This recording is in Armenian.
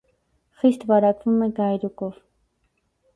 Խիստ վարակվում է գայլուկով։